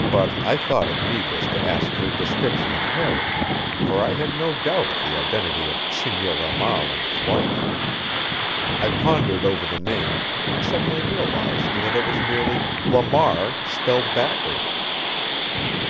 But I thought it needless to ask for a description of Harry; for I had no doubt of the identity of Senor Ramal and his wife. I pondered over the name, and suddenly realized that it was merely "Lamar" spelled backward!